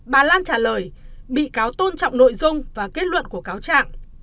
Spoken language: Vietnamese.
bà lan trả lời bị cáo tôn trọng nội dung và kết luận của cáo trạng